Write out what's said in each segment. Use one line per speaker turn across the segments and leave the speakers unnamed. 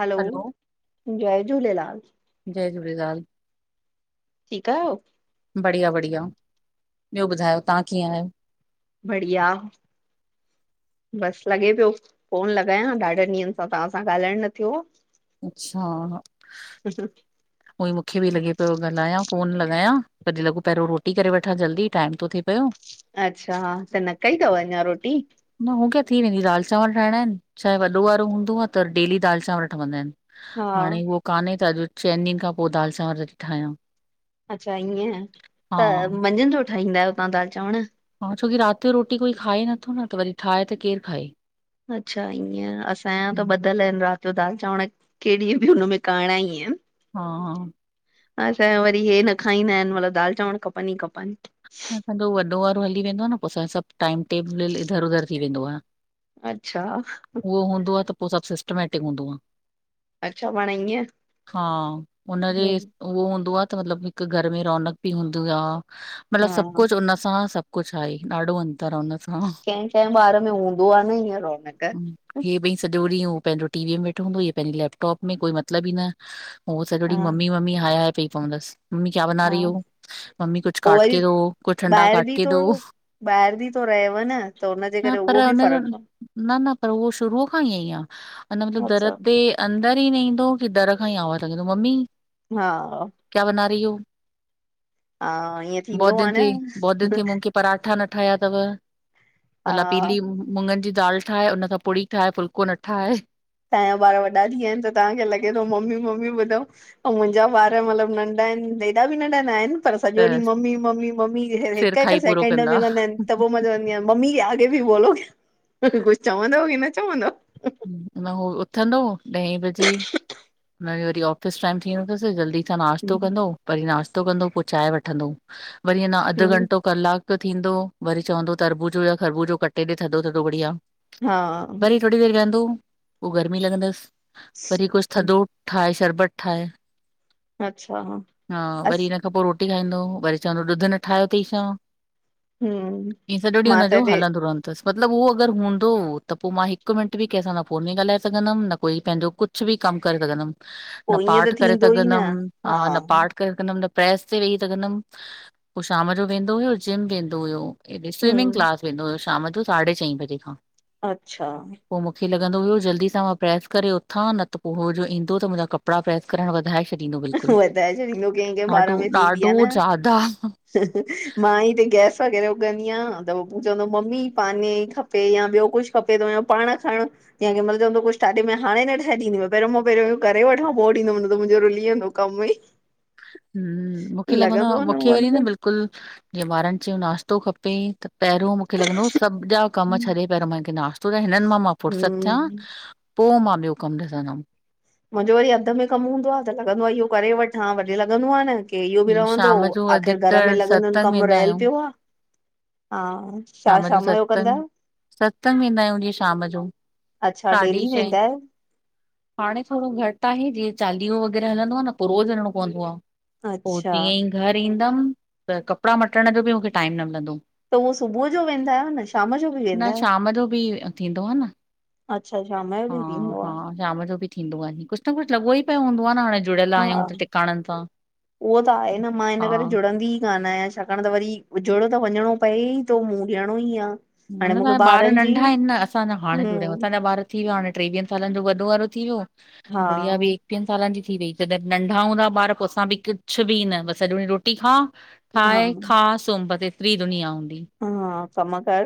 हलो। जय झूलेलाल।
जय झूलेलाल।
ठीकु आयो।
बढ़िया बढ़िया ॿियो ॿुधायो तव्हां कीअं आहियो।
बढ़िया। बसि लॻे पियो फ़ोनु लॻायां, ॾाढनि ॾींहंनि सां तव्हां सां ॻाल्हाइणु न थियो आ।
अच्छा।
अच्छा।
उहोई मूंखे बि लॻे पियो ॻाल्हायां, फ़ोनु लॻायां, तॾहिं लॻो पहिरियों रोटी करे वठां जल्दी टाईम तो थे पियो।
अच्छा, हा त न कई अथव अञा रोटी?
न हू त थी वेंदी, दाल चांवर ठाहिणा आहिनि, छाहे वॾो वारो हूंदो आ त डेली दाल चांवर ठहवंदा आहिनि।
हा,
हाणे उहो कान्हे त अॼु चइनि ॾींहंनि खां पो दालि चांवर थी ठाहियां।
अच्छा ईअं,
हा
त मंझंदि जो ठाहींदा आहियो तव्हां दाल चांवर?
हा छोकी राति जो रोटी कोई खाए नथो न त वरी ठाहे त केरु खाए?
अच्छा ईअं, असांजा त
हम्म।
ब दल आहिनि राति जो दाल चांवर कहिड़ी बि हुनमें करणा ई आहिनि।
हा
असांजो वरी हे न खाईंदा आहिनि, मतलबु दाल चांवर खपनि ई खपनि।
न असांजो वॾो वारो हली वेंदो आहे न, पो असांजो सभु टाईम टेबलु इधर-उधर थी वेंदो आहे।
अच्छा।
उहो हूंदो आ त पो सभु सिस्टमैटिक हूंदो आ।
अच्छा पाण ईअं?
हा, उनजे
हम्म,
उहो हूंदो आहे त मतिलबु हिकु घरि में रौनक बि हूंदी आहे। मतिलबु
हा,
सभु कुझु उन सां सभु कुछु आहे ॾाढो अंतर आ हुन सां
कंहिं-कंहिं ॿारु में हूंदो आहे न हीअं रौनक।
हे ॿई सॼो ॾींहुं हो पंहिंजो टीवीअ में वेठो हूंदो, हीअं पंहिंजे लैपटॉप में, कोई मतिलबु ई न। हो सॼौ
हा,
ॾिहं मम्मी-मम्मी हाय-हाय पई पवंदसि, मम्मी क्या बना
हा
रही हो, मम्मी कुछ
पो
काट
वरी
के हो कुछ ठंडा
ॿाहिर
काट
बि
के
थो
दो।
ॿाहिर बि थो रहेव न त हुनजे
न
करे
पर
उहो बि
हुनजो,
फ़र्क़
न-न पर उहो शुरूअ खां ई इअंई आ। अञा मतिलबु
अच्छा
दरि ते अंदर ई न ईंदो की दरि खां ई आवाज़ लंॻाइदो मम्मी।
हा।
क्या बना रही हो?
हा ईअं
बहुत
थींदो
दिन
आहे
थे बहुत दिन
नं।
थे मूंग के पराठा न ठाहिया अथव,
हा
भला पीली हू मुंॻनि जी दाल ठाहे, हुनसां पुड़ी ठाहे फुलिको न ठाहें।
तव्हांजा ॿारु वॾा थीहं विया आहिनि त तव्हांखे लॻे थो मम्मी-मम्मी ॿुधऊं। आऊं मुंहिंजा ॿारु मतिलबु नंढा आहिनि, एॾा बि नंढा नाहिनि पर सॼो
त
ॾींहु मम्मी-मम्मी-मम्मी
सिर
हिकु-हिकु
खाई पूरो
सेकेंड में कंदा आहिनि त पोइ मतिलबु हिअं मम्मी, आगे भी बोलो, कुछु चवंदव की न चवंदव?
अञा हो उथंदो ॾह बजे, हुनजो वरी ऑफिस टाईम थी वेंदसि जल्दी त नाश्तो
हम्म
कंदो, वरी नाश्तो कंदो पो चांहि वठंदो, वरी अञा अधु घंटो कलाकु थींदो वरी चवंदो तरबूजो या खरबूजो कटे ॾे थधो-थधो बढ़िया।
हा।
वरी थोरी देरि विहंदो पो गर्मी लॻंदसि, वरी कुझु थधो ठाहे शरबतु ठाहे,
अच्छा
हा वरी
अस
हिन खां पो रोट टी खाईंदो, वरी चवंदो ॾुधु न ठाहियो अथई छा?
हम्म
ईअं सॼो ॾींहुं
मां त
हुनजो
हिते
हलंदो रहंदो तसि, मतिलबु उहो अगरि हूंदो त पोइ मां हिकु मिंट मिंट बि कंहिंसां न फो़नु में ॻाल्हाए सघुंदमि, न कोई पंहिंजो कुझु बि कमु करे सघंदुमि। न
पो ईअं त
पाठ करे
थींदो ई न
सघुंदमि, हा न पाठ कंदम न प्रेस ते वेही सघंदम, पो शाम जो वेंदो हुयो जिम वेंदो हुयो। हेएॾे स्विमिंग
हम्म
क्लास वेंदो हुयो शाम जो साढे चईं बजे खां।
अच्छा।
पो मूंखे लॻंदो हुओ जल्दी सां मां प्रेस करे उथां, न त पो हो जो ईंदो, त मुंजा कपड़ा प्रेस करण वधाए छ ॾंदो बिल्कुल,
वधाए छॾींदो कंहिं कंहिं ॿार
ॾाढो
में थींदी आ
ॾाढो
न
जादा।
मां ही हिते गैस वग़ैरह उॻंदी आयां, त पो पो चवंदो मम्मी पाने ई खप पे या ब्यो कुझ खपे, त पाण खण। या केमल चवंदो कुछ ठाए में हाणे न ठाए डिनदीमैं पहिरियो मां पहिरं हे करे वठ पो डिनदम मुंजो रूली वेदों कम ही।
हम्म, मूंखे लॻंदो आ, मूंखे वरी न बिल्कुल जीअं ॿारन चयो नाश्तो खपे त पहरियों मूंखे लॻंदो सभ जा कम मां
हम्म
छॾे पहरियों मां हिनखे नाश्त छो त हिनन मां मां फ़ुरसत थ्यां पो मां ब्यो कम ॾिसंदम।
मुंजो वरी अध में कम हूंदो आ त लॻंदो आ इहो करे वठां वरी लॻंदो आ न की की इहो बि
ईअं
रहंदो
शाम जो
आख़िर घर में
अधिकतर
लॻंदन
सत्संग
कम
वेंदा
रेयल
आहियूं
प्यो आ हा छा
शाम जो
कंदा
सतसंग,
आहियो
सतसंग वेंदा आयूं जीअं शाम जो।
अच्छा
साढी
डेली
छहें
वेंदा आयो?
हाणे थोड़ो घट आहे, जीअं चालीहो वग़ैरह हलंदो आ न पो रोज़ वञणो पवंदो आ। पो
अच्छा
जीअं ई घर ईंदम, त कपड़ा मटण जो बि मूंखे टाइम न मिलंदो।
त उहो सुबुह जो वेंदा आयो न, शाम जो। बि वेंदा
न
आहियो?
शाम जो बि थींदो आ न,
अच्छा शाम जो
हा
बि थींदो आ
हा। शाम जो बि थींदो आहे नी कुझ न कुछ लॻो ई पयो हूंदो आहे न हाणे जुड़ियल
हा
आहियूं त टिकाणनि सां
उहो त आहे न मां हिन
हा
करे जुड़ंदी ई कान आयां छाकाण त वरी जूड़ त वञणो पए ई तो मूंं ॾयणो ई आ। हाणे
न
मूंखे
ताहांजा ॿार
ॿारनि जी
नंढा आहिन न असांजा हाणे जड़याूं
हम्म
असांजा ॿार थी व्या हाणे टेवीह सालन जो वॾो वारो थी व्यो
हा।
इहा बि एकवीह सालन जी थी वई जॾहिं नंढा हूंदा ॿार पो असां बि कुझ बि न बस सॼो ॾींह रोटी खा
हा
ठाए, खा, सुम बस एत्री दुुनिया हूंदी ही।
हा कम कार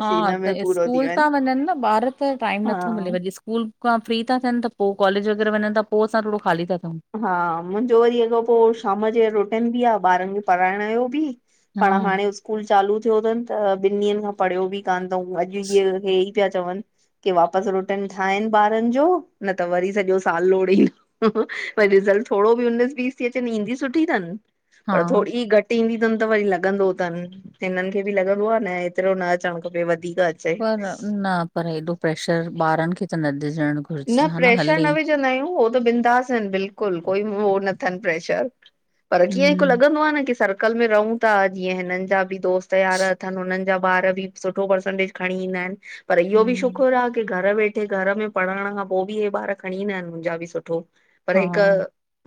हा त स्कूल ता वञन न ॿार त टाइम नथो
हा
मिले वडि स स्कूल खां फ्री था थ्यन त पो कॉलेज वग़ैरह वञन त पो असां थोड़ो ख़ाली था थ्यूं।
हा मुंजो वरी अॻो पो शाम जे रोटन बि आ ॿारन खे पढ़ाइण जो बि।
हा
पाण हाणे स्कूल चालू थ्यो तन त ॿिन ॾींहंन खां पढ़ियो बि कान तऊ अॼ हे हेई प्या चवन की वापस रोटन ठाहिन ॿारन जो, न त वरी सॼो साल लोड़ींदो पर रिसल्ट थोड़ो बि उनीस बीस ती अचन ईंदी सुठी तन पर
हा
थोड़ी घट टंदी तन त वरी लॻंदो तन, हिनन खे बि लॻंदो आ न एतिरो न अचण खपे वधीक अ
पर न पर एॾो प्रेशर ॿारन खे त न ॾिजणघुर
न प्रैशर न विझंदा आयूं हो त बिंदास बिल्कुल कोई उहो न तन प्रैशर, पर कीअं हिक
हम्म
लॻंदो आ न की सर्कल में रहूं त जीअं हिनन जा बि दोस्त यार अथन हुनन जा ॿार बि सुठो परसेंटेज खणी ईंदा आहिन पर इहो बि
हम्म,
शुकुर आ की घर वेठे घर में पढ़ण खां पो बि हे ॿार खणी ईंदा आहिन मुंजा बि सुठो। पर
हा
हिक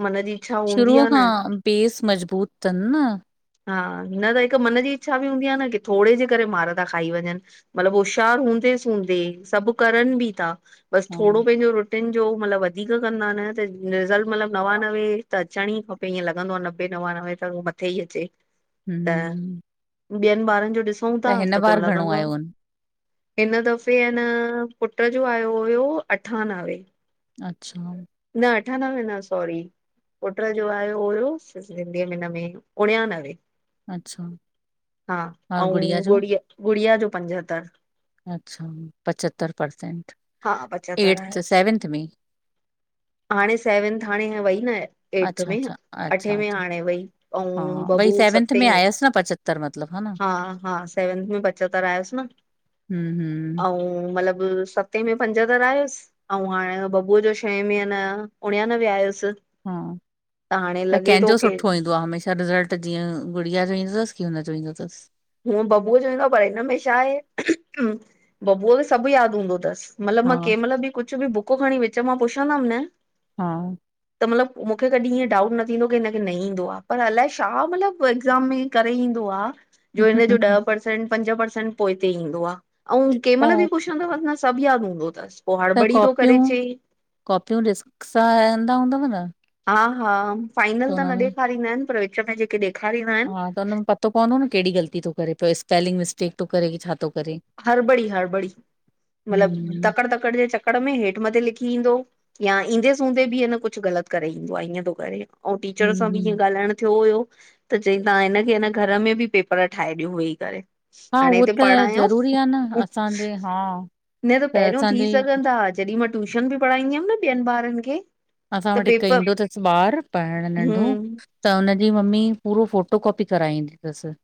मन जी इच्छा हूंदी
शुरूअ
आ न
खां बेस मज़बूत तनि न
हा, न त हिक मन जी इच्छा बि हूंदी आ न की थोड़े जे करे मार ता खाई वञन। मतलब होशियार हूंदे सुंदे, सभ करन बि ता बस
हा
थोड़ो पेंजो रो टिनि जो मतलबु वधीक कंदा न त रिसल्ट मतलबु नवानवे त अचण ई खपे। ईअं लॻंदो आ, नबे नवानवे त मथे ई अचे। त
हम्म
ॿियनि ॿारनि जो ॾिसऊं ता
हिन
त पो
बार घणो
लॻंदो
आयो अन
हिन दफ़े अ न पुट जो आयो हुयो अठानवे,
अच्छा।
न अठानवे न सॉरी। पुट्र जो आयो हुयो सिंधीअ में हिन में उणियानवे।
अच्छा
हा!
और
अउं
जो
गुड़िया, गुड़िया जो पंजहतरि।
अच्छा पचहतर परसेंट
हा पंजहतरि
एड्थ,
आयसि
सेवेंथ में?
हाणे सेवंथ हाणे ईयं वई न। एर्थ
अच्छा
में
अच्छा अच्छा
अठे में
अच्छा
हाणे वई, अउं बबु सते में,
तर मतलब हा न,
हा- हा, सेवंथ में पचत्तर आयसि न।
हम्म- हम्म
सत सते में पंजहतरि आयुसि, अउं हाणे बबूअ जो छहें में आ न उणयानवे आयुसि।
हा,
हाणे
त
लॻे थो
कंहिंजो
की
सुठो ईंदो आ, हमेशा रिज़ल्ट? त जीअं गुड़िया जो ईंदो तसि कि हुन जो ईंदो तसि?
हूअं बबूअ जो ईंदो आ, पर हिन में छा आहे बबूअ खे सभु यादि हूंदो तसि,
हा
मतिलबु मां कंहिं महिल बि कुछ बि बुक खणी विच मां पुछंदमि न,
हा।
त मतलबु मूंखे कॾीं इएंं डाउट न थींदो की हिनखे न ईंदो आ, पर अलाए छा मतलबु एग्ज़ाम में करे ईंदो आ, जो हिनजो ॾह परसेंट, पंज परसेंट पोइते ईंदो आ, अउं कंहिं महिल बि
त
कुछ पुछंदवसि न सभु यादि हुंदोतसि।
त कॉपियूं -कॉपियूं ॾिस सां रहंदा हूंदव न?
हा -हा, फाइनल
हुन
त न
में
ॾेखारींदा आहिनि, पर विच में जेके ॾेखारींदा आहिनि
हा, त हुनमें पतो पवंदो न केड़ी ग़लती तो करे पयो, स्पेलिंग मिस्टेक तो करे की छा तो करे?
हरबड़ी -हरबड़ी, मतिलब
हम्म
तकड़- तकड़, जे चक कर में हेठि मथे लिखी ईंदो या ईंदे सूंंदे बि अ न कुउ ग़लति करे ईंदो आहे, ईअं तो करे। अऊं टीचर सां बि
हम्म
इएंं ॻाल्हाइण थियो हुयो, त चईं तां हिनखे न घर में बि पेपर ठाहे ॾियो वेई करे,
हा
हाणे
उहो
हिते
त
पढ़ायूं
ज़रूरी आ न असांजे हा, त असांजी
हा! जॾीं मां ट्यूशन बि पढ़ाईंदी हुअमि न ॿियनि ॿारनि खे
असां
त
वटि हिकु
पेपर
ईंदो तसि ॿारु पढ़णु नंढो,
हम्म
त हुनजी मम्मी पूरो फोटो कॉपी कराईंदी तसि।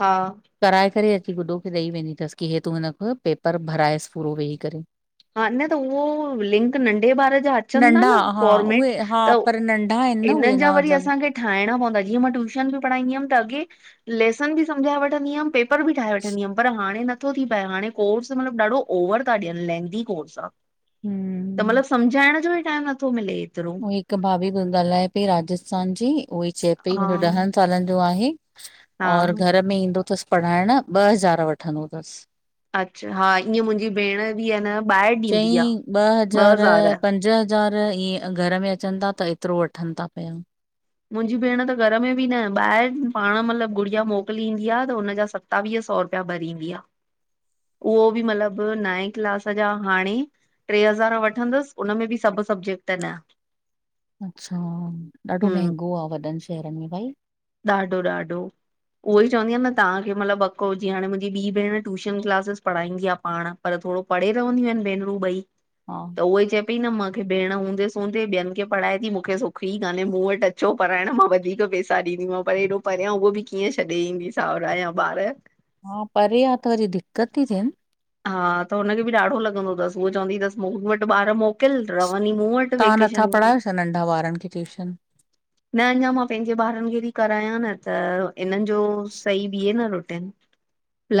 हा।
कराए करे अची गुॾो खे ॾेई वेंदी तसि, की हे तूं हिनख पेपर भराएसि पूरो वेही करे।
हा न त उहो लिंक नंढे ॿार जा अचनि ता
नंढा
न,
हा
फॉर्मेट,
उहे हा
त
पर नंढा आहिनि न
हिननि
उहे न
जा वरी
मतिलबु
असां खे ठाइणा पवंदा, इयं मां ट्यूशन भी पढ़ाईंदी हुम त अॻे लेसन भी समझाए वठंदी हुम, पे पेर बि ठाहे वठंदी हुअमि, पर हाणे नथो थी पाए हाणे कोर्स मतिलबु ॾाढो ओवर ता ॾियन, लेंनि दी कोर्स‌ आ, त
हम्म
मतिलबु सम्झाइण जो ई टाइम नथो मिले, एतिरो
उहे हिकु भाभी ॻाल्हाए पई राजस्थान जी, उहई चए पई
हा
मुंहिंजो ॾहनि सालनि जो आहे,
हा
और घर में ईंदो तसि पढ़ाइण, ॿ हज़ार वठंदो तसि।
अच्छा, हा, ईअं मुंहिंजी भेण बि हे न ॿाहिरि ॾींदी आ
चईं
ॿ हज़ार।
पंज ॿ हज़ार ईअं घर में अचनि था त एतिरो वठनि था पिया।
मुंहिंजी भेण त घर में बि न ॿाहिरि पाण मतिलबु गुॾिया मोकिली ईंदी आहे त हुनजा सभु सतावीह सौ रुपया भरींदी आ। उहो बि मतिलबु नए क्लास जा हाणे टे हज़ार वठंदसि हुननि में बि सभु सब्जेक्ट न।
अच्छा, ॾाढो महंगो आ वॾनि शहरनि में भाई।
ॾाढो-ॾाढो। उहोई चवंदी आ न तव्हांखे मतिलबु अको जीअं हाणे मुंहिंजी ॿी भेण टूशन क्लासिस पढ़ाईंदी आ पाण पर थोॾो परे रहंदियूं आहिनि भेनरूं ॿई।
हा।
त उहो ई चए पई न मूंखे भेण हूंदे सूंदे ॿियनि खे पढ़ाए थी मूंखे सुखी काने मूं वटि अच छो पढ़ण मां वधीक पैसा ॾींदीमांव पर हेॾो परियां उहो बि कीअं छॾे ईंदी साहुरा या ॿार।
हा, परे आ त वरी दिक्क़त थी थिए न।
हा, त हुनखे बि ॾाढो लॻंदो अथसि उहो चवंदी अथस मूं वटि ॿार मोकिल रहवनि ही मूं वटि
तव्हां नथा
वेकेशन में
पढ़ायो छा नंढा ॿारनि खे ट्यूशन?
न, अञा मां पंहिंजे ॿारनि खे बि कराया न त इन्हनि जो सही ॿिहे न रुटिन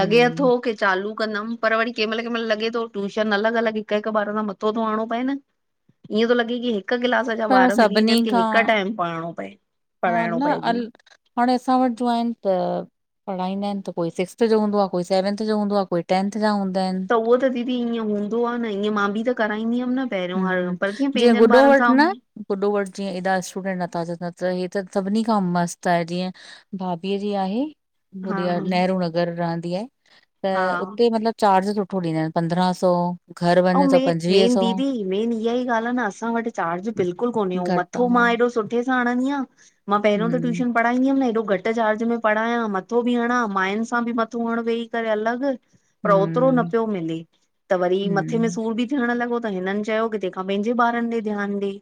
लॻे थो की चालू कंदमि पर वरी कंहिं महिल, कंहिं महिल लॻे थो ट्यूशन अलॻि-अलॻि, हिक-हिक ॿार सां मथो थो आणो पए न। ईएंं थो लॻे कि हिक क्लास जा
पर
ॿार मिली
सभिनी
वञनि की हिक
खां
टाइम पढ़णो पए।
हा,
पढ़ाइणो
न
पए
अल
जीअं।
हाणे असां वटि जो आहिनि त पढ़ाईंदा आहिनि त कोई सिक्स्थ जो हूंदो आ, कोई सेवंथ जो हूंदो आ, कोई टेंथ जा हूंदा आहिनि।
त उहो त दीदी ईअं हूंदो आ न ईअं मां बि त कराईंदी हुअमि न। पहिरियों हर
हम्म
पर कीअं
जीअं
पंहिंजनि
गुॾो
ॿारनि
वटि
सां
न गुॾो वॾु जीअं हेॾा स्टूडेंट नथा न त हे त सभिनी खां मस्तु आहे जीअं भाभीअ जी आहे,
हा
नेहरुू नगर रहंदी आहे त
हा
उते मतिलबु चार्ज सुठो ॾींदा आहिनि पंद्रहां सौ, घर वञे त पंजवीह सौ।
मैन इहा ई ॻाल्हि आहे न असां वटि चार्ज बिल्कुलु कोन्हे और
घटि आ,
मथो मां एॾो सुठे सां हणंदी आहियां मां पहिरियों त
हम्म
ट्यूशन पढ़ाईंदी हुअमि न हेॾो घटि चार्ज में पढ़ायां मथो बि हणां मायुनि सां बि मथो हण वेही करे अलॻि। पर ओतिरो न
हम्म
पियो मिले त वरी मथे
हम्म
सूर बि थियण लॻो त हिननि चयो की तंहिंखां पंहिंजे ॿारनि ते ध्यानु ॾे।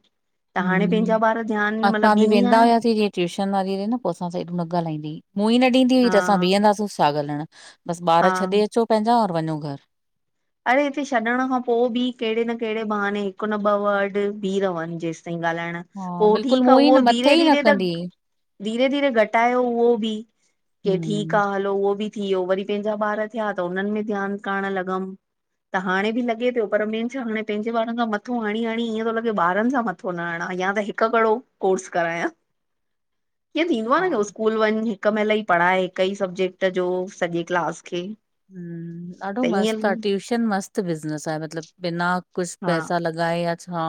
त हाणे
हम्म
पंहिंजा ॿार ध्यानु
असां
मतिलबु
बि
ॾींदी
वेंदा
आहियां।
हुआसीं जीअं ट्यूशन वारी न पोइ असां एॾो ॻाल्हाईंदी हूं मुंहु ई न ॾींदी हुई त
हा
असां बीहंदासीं छा ॻाल्हाइणु। बसि ॿार
हा
छॾे अचो पंहिंजा और वञो घरु।
अरे हिते छॾण खां पोइ बि कहिड़े न कहिड़े बहाने हिकु न ॿ वर्ड बीह रहनि जेेंसि ताईं ॻाल्हाइण।
हा
पोइ
बिल्कुलु
ठीकु
मुंहुं
आहे
ई
उहो
न मथे ई न
धीरे-धीरे त
कंदी हुई
धीरे-धीरे घटायो उहो बि की ठीकु
हम्म
आ हलो उहो बि थी वियो। वरी पंहिंजा ॿार थिया त उननि में ध्यानु करणु लॻमि। त हाणे बि लॻे थो पर मेन छा हाणे पंहिंजे ॿारनि सां मथो हणी-हणी ईअं थो लॻे ॿारनि सां मथो मथो न हणा या त हिकु कहिड़ो कोर्स करायां। ईअं थींदो आ
हा
न की स्कूल वञ हिक महिल ई पढ़ाए हिक ई सब्जेक्ट जो सॼे क्लास खे।
हम्म, ॾाढो
त ईअं
मस्त आ ट्यूशन मस्त बिज़नेस आहे मतिलबु बिना कुझु
हा
पैसा लॻाए। लॻाए या छा?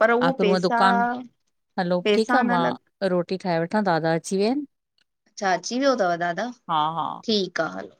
पर उहो
आख़िर हूअं
पैसा
दुकान हलो ठीकु आ
पैसा न लॻ
मां रोटी ठाहे वठां दादा अची विया आहिनि।
अच्छा अची वियो अथव दादा
हा हा
ठीकु आहे हलो